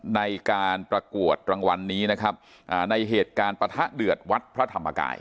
ในการประกวดรางวัลนี้นะครับในเหตุการณ์ปะทะเดือดวัดพระธรรมกาย